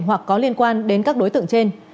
hoặc có liên quan đến các đối tượng trên